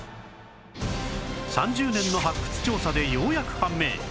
３０年の発掘調査でようやく判明！